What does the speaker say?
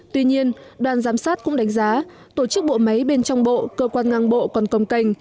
tuy nhiên đoàn giám sát cũng đánh giá tổ chức bộ máy bên trong bộ cơ quan ngang bộ còn công cành